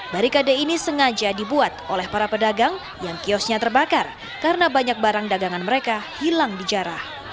barikade ini sengaja dibuat oleh para pedagang yang kiosnya terbakar karena banyak barang dagangan mereka hilang di jarah